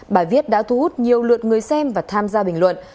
bài viết đã thu hút nhiều lượt người xem và tham gia bình luận